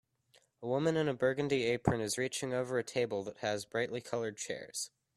A woman in a burgundy apron is reaching over a table that has brightly colored chairs.